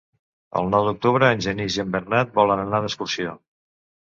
El nou d'octubre en Genís i en Bernat volen anar d'excursió.